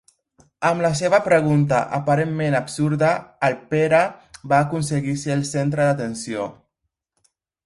Amb la seva pregunta, aparentment absurda, el Pere va aconseguir ser el centre d'atenció.